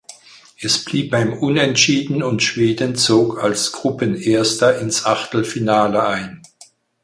Es blieb beim Unentschieden und Schweden zog als Gruppenerster ins Achtelfinale ein.